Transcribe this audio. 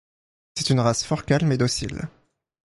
C'est une race fort calme et docile.